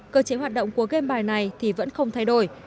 cơ chế hoạt động của game bài này thì vẫn không thay đổi